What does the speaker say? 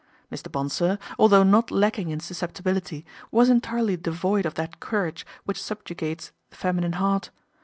Mr. Bonsor, although not lacking in suscepti bility, was entirely devoid of that courage which subjugates the feminine heart.